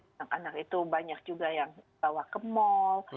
anak anak itu banyak juga yang bawa ke mal